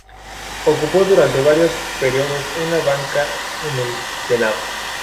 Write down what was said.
Ocupó durante varios períodos una banca en el Senado.